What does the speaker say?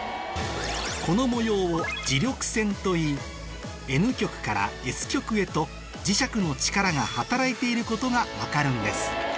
この模様を磁力線といいＮ極からＳ極へと磁石の力が働いていることが分かるんです